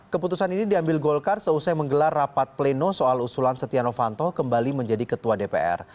keputusan ini diambil golkar seusai menggelar rapat pleno soal usulan setia novanto kembali menjadi ketua dpr